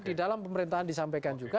di dalam pemerintahan disampaikan juga